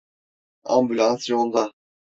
Ambulans yolda.